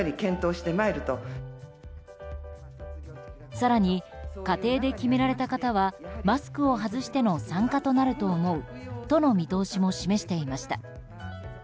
更に、家庭で決められた方はマスクを外しての参加となると思うとの見通しも示していました。